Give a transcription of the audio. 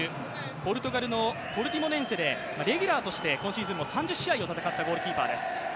ポルトガルのポルティモネンセでレギュラーとして今シーズンも３０試合を戦ったゴールキーパーです。